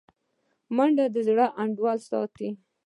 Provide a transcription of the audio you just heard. منډه د زړه انډول ساتي